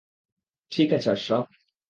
ঠিক আছে, আশরাফ।